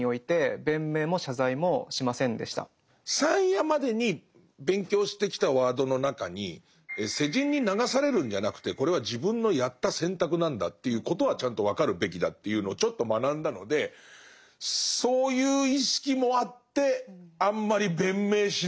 ３夜までに勉強してきたワードの中に世人に流されるんじゃなくてこれは自分のやった選択なんだっていうことはちゃんと分かるべきだというのをちょっと学んだのでそういう意識もあってあんまり弁明しないのかなっていう。